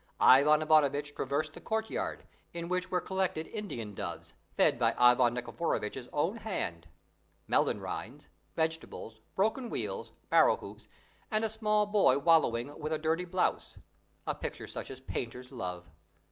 Ivan Ivanovitch traversed the courtyard, in which were collected Indian doves, fed by Ivan Nikiforovitch's own hand, melon rinds, vegetables, broken wheels, barrel hoops, and a small boy wallowing with dirty blouse a picture such as painters love.